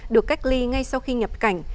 được cách ly ngay sau khi nhập cảnh